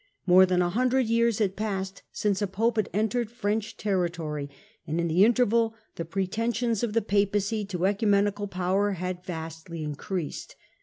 More than a hundred years had passed since a pope had entered French territory, and in the interval the pretensions of the Papacy to oecumenical power had vastly increased.